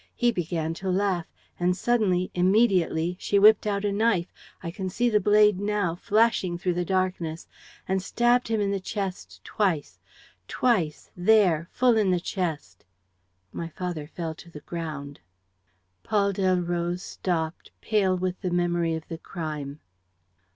He began to laugh. And suddenly, immediately, she whipped out a knife I can see the blade now, flashing through the darkness and stabbed him in the chest, twice ... twice, there, full in the chest. My father fell to the ground." Paul Delroze stopped, pale with the memory of the crime.